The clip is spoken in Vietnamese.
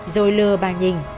rồi lừa bà nhìn